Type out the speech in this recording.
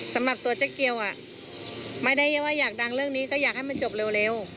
สำหรับตัวเจ๊เกียวไม่ได้ว่าอยากดังเรื่องนี้ก็อยากให้มันจบเร็ว